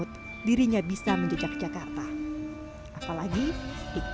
terus aku ngomong ke ayah